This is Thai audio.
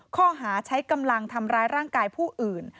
ข้อหาใช้กำลังทำร้ายร่างกายผู้อื่น